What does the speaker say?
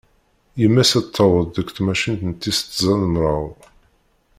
Yemma-s ad d-taweḍ deg tmacint n tis tẓa d mraw.